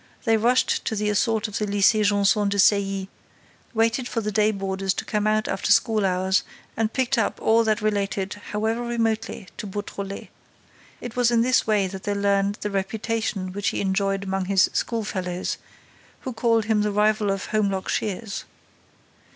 They rushed to the assault of the Lycée Janson de Sailly, waited for the day boarders to come out after schoolhours and picked up all that related, however remotely, to Beautrelet. It was in this way that they learned the reputation which he enjoyed among his schoolfellows, who called him the rival of Holmlock Shears.